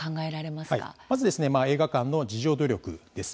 まず映画館の自助努力です。